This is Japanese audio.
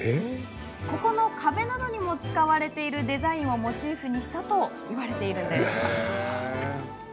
ここの壁などにも使われているデザインをモチーフにしたといわれているんです。